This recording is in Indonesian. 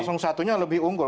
satu nya lebih unggul